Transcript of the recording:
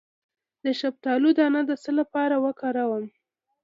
د شفتالو دانه د څه لپاره وکاروم؟